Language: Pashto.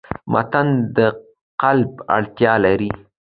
متن د قالب اړتیا لري.